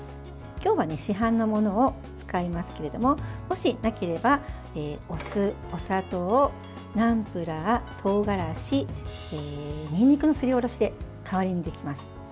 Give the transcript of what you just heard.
今日は市販のものを使いますけれどももしなければ、お酢、お砂糖ナムプラー、とうがらしにんにくのすりおろしで代わりにできます。